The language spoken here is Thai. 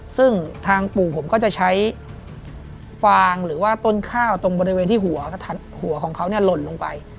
ซึ่งทางปู่ผมก็จะใช้ฟางหรือว่าต้นข้าวตรงบริเวณที่หัวของเขาหล่นลงไป